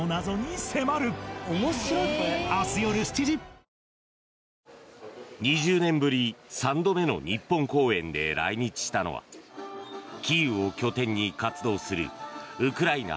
東京海上日動２０年ぶり、３度目の日本公演で来日したのはキーウを拠点に活動するウクライナ